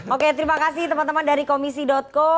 oke terima kasih teman teman dari komisi co